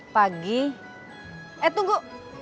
pagi eh tunggu